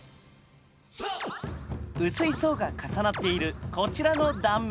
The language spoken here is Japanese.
薄い層が重なっているこちらの断面。